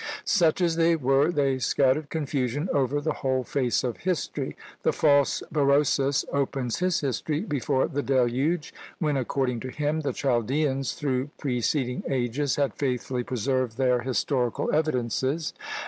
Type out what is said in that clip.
Such as they were, they scattered confusion over the whole face of history. The false Berosus opens his history before the deluge, when, according to him, the Chaldeans through preceding ages had faithfully preserved their historical evidences!